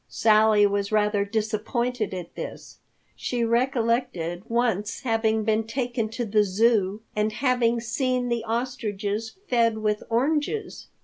Sally was rather disappointed at this. She recollected once having been taken to the Zoo and having seen the ostriches fed with oranges.